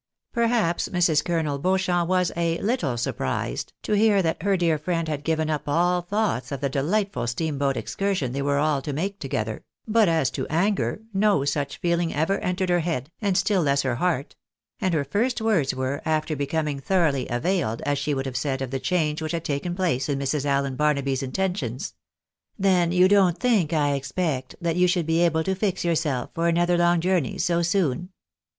Perhaps Mrs. Colonel Beauchamp was a little surprised to hear that her dear friend had given up all thoughts of the delightful steam boat excursion they were all to make together ; but as to anger, no such feeling ever entered her head, and still less her heart ; and her first words were, after becoming thoroughly availed, as she BEFORE B£l> OOCUPAXION. 165 would have said, of the change which had taken place in Mrs. Allen Barnaby's intentions —" Then you don't think, I expect, that you should be able to fix yourself for another long journey so soon?"